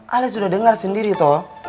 kalian sudah dengar sendiri toh